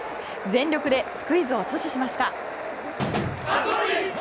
全力でスクイズを阻止しました。